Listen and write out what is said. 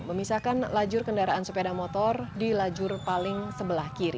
memisahkan lajur kendaraan sepeda motor di lajur paling sebelah kiri